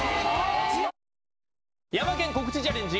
ヤマケン、告知チャレンジ。